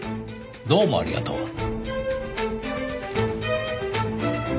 どうもありがとう。